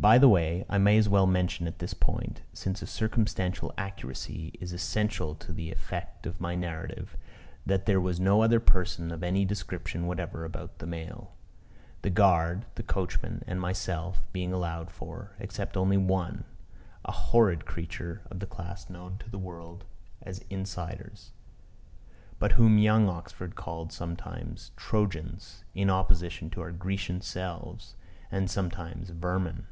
By the way, I may as well mention at this point, since a circumstantial accuracy is essential to the effect of my narrative, that there was no other person of any description whatever about the mail the guard, the coachman, and myself being allowed for except only one a horrid creature of the class known to the world as insiders, but whom young Oxford called sometimes "Trojans," in opposition to our Grecian selves, and sometimes "vermin."